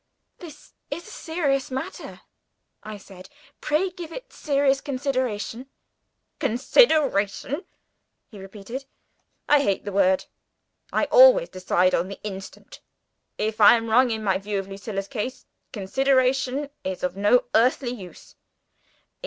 "This is a serious matter," I said. "Pray give it serious consideration." "Consideration?" he repeated. "I hate the word. I always decide on the instant. If I am wrong in my view of Lucilla's case, consideration is of no earthly use.